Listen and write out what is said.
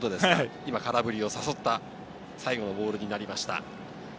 空振りを誘った最後のボールになりました。